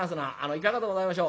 いかがでございましょう。